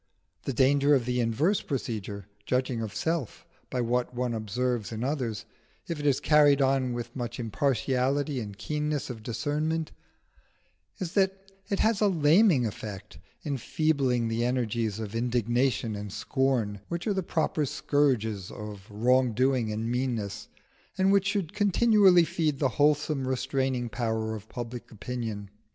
The danger of the inverse procedure, judging of self by what one observes in others, if it is carried on with much impartiality and keenness of discernment, is that it has a laming effect, enfeebling the energies of indignation and scorn, which are the proper scourges of wrong doing and meanness, and which should continually feed the wholesome restraining power of public opinion.